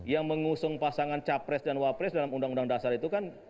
yang mengusung pasangan capres dan wapres dalam undang undang dasar itu kan